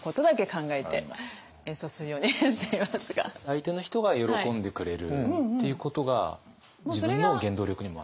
相手の人が喜んでくれるっていうことが自分の原動力にも。